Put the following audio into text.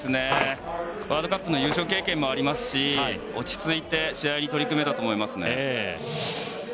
ワールドカップの優勝経験もありますし落ち着いて試合に取り組めたと思いますね。